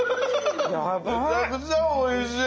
めちゃくちゃおいしい！